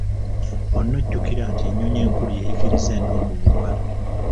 Onojjukira nti ennyonyi enkulu yeeyigiriza ento okubuuka.